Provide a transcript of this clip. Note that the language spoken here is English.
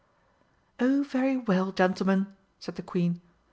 "Oh, very well, gentlemen," said the Queen.